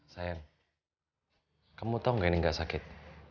sayang kamu tau gak ini gak sakit